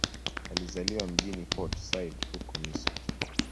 Alizaliwa mjini Port Said, huko Misri.